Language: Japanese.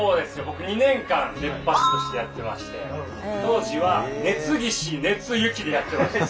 僕２年間熱波師としてやってまして当時は「熱岸熱行」でやってました。